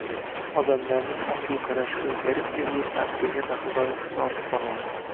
Odamlarning ongu dunyoqarashi oʻzgarib, el-yurt taqdiriga daxldorlik hissi ortib bormoqda.